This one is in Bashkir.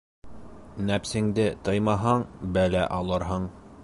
Нәпсеңде тыймаһаң, бәлә алырһың.